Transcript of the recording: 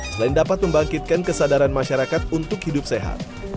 selain dapat membangkitkan kesadaran masyarakat untuk hidup sehat